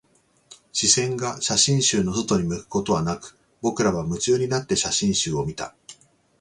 視線が写真集の外に向くことはなく、僕らは夢中になって写真集を見た